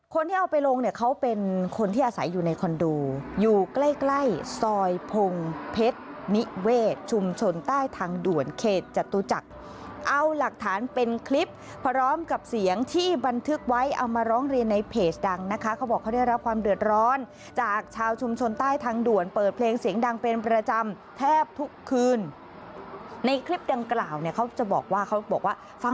คนที่เอาไปลงเนี่ยเขาเป็นคนที่อาศัยอยู่ในคอนโดอยู่ใกล้ใกล้ซอยพงเพชรนิเวศชุมชนใต้ทางด่วนเขตจตุจักรเอาหลักฐานเป็นคลิปพร้อมกับเสียงที่บันทึกไว้เอามาร้องเรียนในเพจดังนะคะเขาบอกเขาได้รับความเดือดร้อนจากชาวชุมชนใต้ทางด่วนเปิดเพลงเสียงดังเป็นประจำแทบทุกคืนในคลิปดังกล่าวเนี่ยเขาจะบอกว่าเขาบอกว่าฟัง